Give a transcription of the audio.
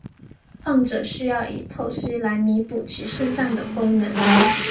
患者需要以透析来弥补其肾脏的功能。